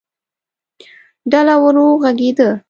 ډله ورو غږېده.